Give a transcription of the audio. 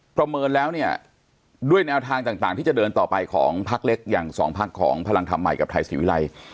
ประเมินแล้วเนี่ยด้วยแนวทางต่างที่จะเดินต่อไปของพักเล็กอย่างสองพักของพลังธรรมใหม่กับไทยศรีวิรัย